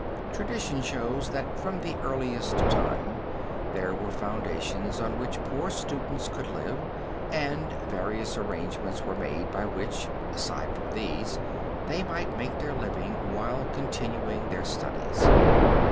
Tradition shows that from the earliest time there were foundations on which poor students could live, and various arrangements were made by which, aside from these, they might make their living while continuing their studies.